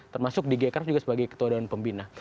termasuk di g craft juga sebagai ketua daun pembina